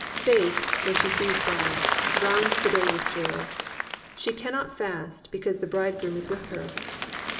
Faith, when she sees God, rounds the day with joy. She cannot fast, because the bridegroom is with her.